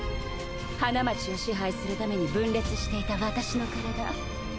花街を支配するために分裂していた私の体